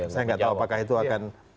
saya nggak tahu apakah itu akan